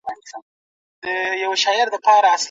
اروپايي ټولنې دودیزو اصولو ته پابندې وې.